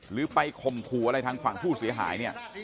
หรือไปคมขู่อะไรทางฝั่งผู้เสียหาย